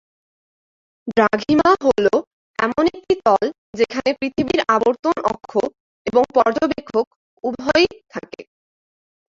দ্রাঘিমা হল এমন একটি তল যেখানে পৃথিবীর আবর্তন অক্ষ এবং পর্যবেক্ষক উভয়ই থাকে।